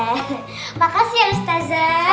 eh makasih ya ustazah